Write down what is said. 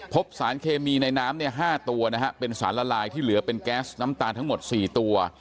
พบสารเคมีในน้ำเนี่ย๕ตัวนะฮะเป็นสารละลายที่เหลือเป็นแก๊สน้ำตาลทั้งหมด๔ตัว